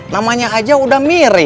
namanya aja udah mirip